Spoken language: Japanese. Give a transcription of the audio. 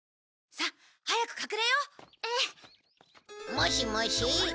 もしもし。